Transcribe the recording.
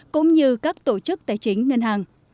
cũng như các tổ chức tài chính ngân hàng